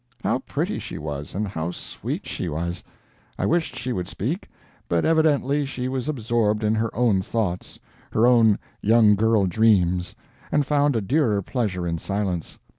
How pretty she was, and how sweet she was! I wished she would speak. But evidently she was absorbed in her own thoughts, her own young girl dreams, and found a dearer pleasure in silence.